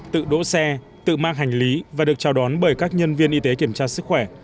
tự đỗ xe tự mang hành lý và được chào đón bởi các nhân viên y tế kiểm tra sức khỏe